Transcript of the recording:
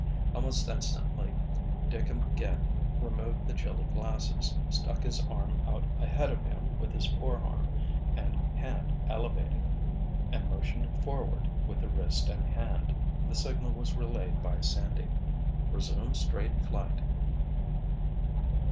Almost instantly Dick again removed the chilly glasses, stuck his arm out ahead of him with his forearm and hand elevated, and motioned forward with the wrist and hand. The signal was relayed by Sandy. "Resume straight flight."